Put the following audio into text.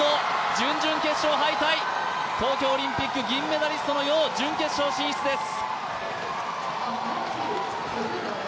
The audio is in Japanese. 準々決勝敗退、東京オリンピック銀メダリストの楊、準決勝進出です。